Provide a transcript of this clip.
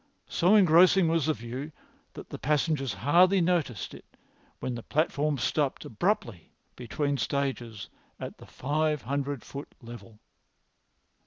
So engrossing was the view that the passengers hardly noticed it when the platform stopped abruptly between stages at the five hundred foot level.